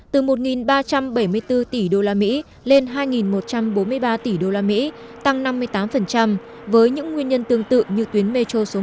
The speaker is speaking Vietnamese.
từ một ba trăm bảy mươi bốn tỷ đô la mỹ lên hai một trăm bốn mươi ba tỷ đô la mỹ tăng năm mươi tám với những nguyên nhân tương tự như tuyến metro số một